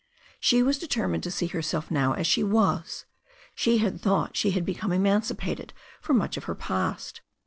She was determined to see herself now as she was. She had thought she had become emancipated from much of her past.